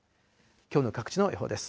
きょうの各地の予報です。